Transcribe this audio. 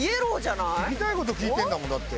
聞きたい事聞いてるんだもんだって。